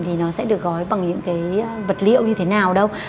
thì nó sẽ được gói bằng những cái vật liệu như thế nào đâu